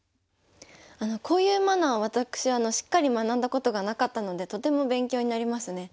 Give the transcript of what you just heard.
こういうマナーを私しっかり学んだことがなかったのでとても勉強になりますね。